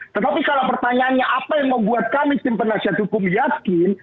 tetapi kalau pertanyaannya apa yang membuat kami tim penasihat hukum yakin